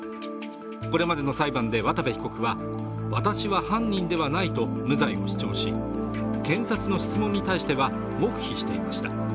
これまでの裁判で渡部被告は私は犯人ではないと無罪を主張し、検察の質問に対しては黙秘していました。